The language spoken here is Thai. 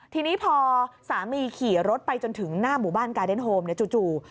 ทีนี้พอสามีขี่รถไปจนถึงหน้าหมู่บ้านกาเดนโฮมจู่